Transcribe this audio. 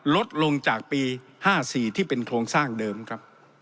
ลดลงจากปี๕๔ที่เป็นโครงสร้างเดิมครับ